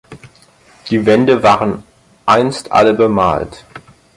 Die Wände waren einst alle bemalt.